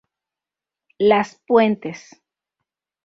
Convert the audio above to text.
Las Puentes